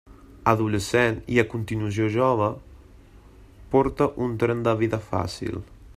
Adolescent i a continuació jove, porta un tren de vida fàcil.